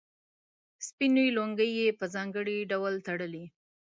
سپینې لونګۍ یې په ځانګړي ډول تړلې.